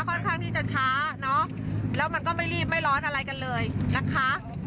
ค่อนข้างที่จะช้าเนอะแล้วมันก็ไม่รีบไม่ร้อนอะไรกันเลยนะคะ